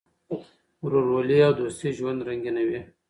ورورولي او دوستي ژوند رنګینوي.